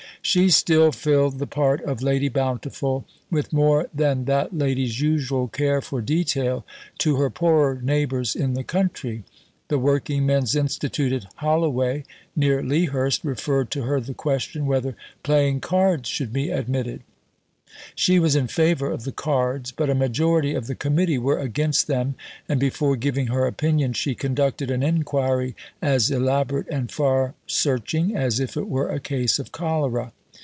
She still filled the part of Lady Bountiful, with more than that lady's usual care for detail, to her poorer neighbours in the country. The Working Men's Institute at Holloway (near Lea Hurst) referred to her the question whether playing cards should be admitted. She was in favour of the cards, but a majority of the Committee were against them, and, before giving her opinion, she conducted an inquiry as elaborate and far searching as if it were a case of cholera.